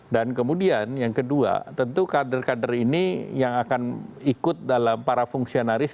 dan kemudian yang ke dua tentu kader kader ini yang akan ikut dalam para fungsionaris